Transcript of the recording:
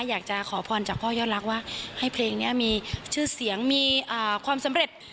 อยากจะขอพรจากพ่อยอดรักว่าให้เพลงนี้มีชื่อเสียงมีความสำเร็จ